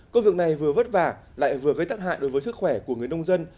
công việc này vừa vất vả lại vừa gây tắc hại đối với sức khỏe của người nông dân